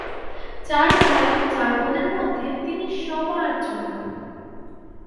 চার ভাই চার বোনের মধ্যে তিনি সবার ছোটো।